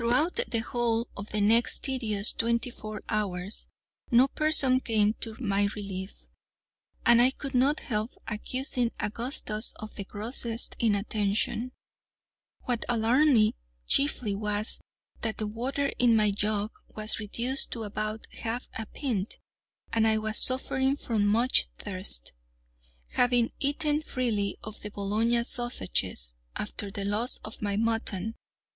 Throughout the whole of the next tedious twenty four hours no person came to my relief, and I could not help accusing Augustus of the grossest inattention. What alarmed me chiefly was, that the water in my jug was reduced to about half a pint, and I was suffering much from thirst, having eaten freely of the Bologna sausages after the loss of my mutton.